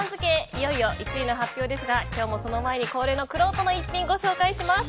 いよいよ１位の発表ですが今日もその前に恒例のくろうとの逸品ご紹介します。